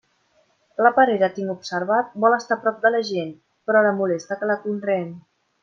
La perera, tinc observat, vol estar a prop de la gent, però la molesta que la conreen.